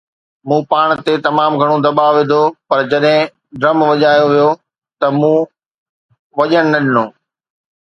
مون پاڻ تي تمام گهڻو دٻاءُ وڌو، پر جڏهن ڊرم وڄايو ويو ته مون وڃڻ نه ڏنو